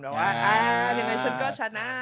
ว่าอาทุกงานชั้นก็ชนะ